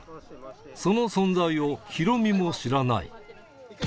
その存在をヒロミも知らない。